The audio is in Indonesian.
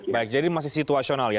baik jadi masih situasional ya